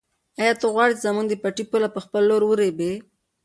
آیا ته غواړې چې زموږ د پټي پوله په خپل لور ورېبې؟